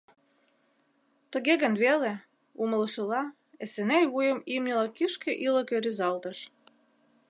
— Тыге гын веле... — умылышыла, Эсеней вуйым имньыла кӱшкӧ-ӱлыкӧ рӱзалтыш.